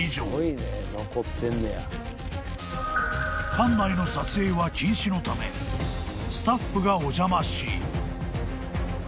［館内の撮影は禁止のためスタッフがお邪魔し］